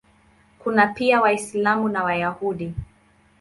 Kuna pia Waislamu na Wayahudi.